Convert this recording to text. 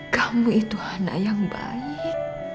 kamu itu anak yang baik